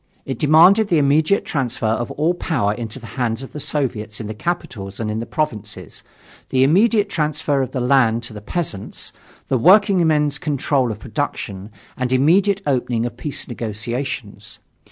It demanded the immediate transfer of all power into the hands of the Soviets in the capitals and in the provinces, the immediate transfer of the land to the peasants, the workingmen's control of production, and immediate opening of peace negotiations.